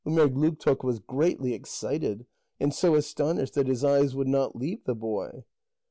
Umerdlugtoq was greatly excited, and so astonished that his eyes would not leave the boy.